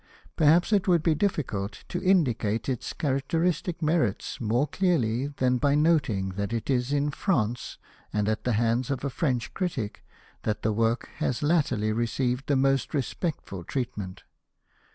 Perhaps it would be difficult to indicate its characteristic merits more clearly than by noting that it is in France and at the hands of a French critic that the work has latterly received the most respectful treatment.